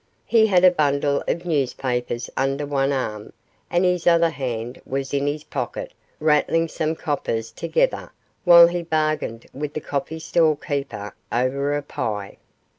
He had a bundle of newspapers under one arm and his other hand was in his pocket rattling some coppers together while he bargained with the coffee stall keeper over a pie.